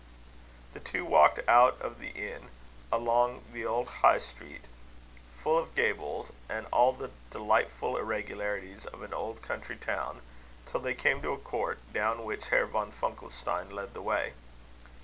The two walked out of the inn, along the old High Street, full of gables and all the delightful irregularities of an old country town, till they came to a court, down which Herr von Funkelstein led the way.